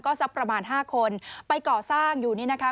ก็สักประมาณห้าคนไปก่อสร้างอยู่นี่นะคะ